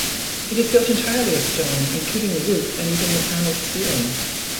It is built entirely of stone, including the roof and even the panelled ceiling.